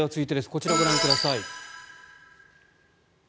こちらをご覧ください。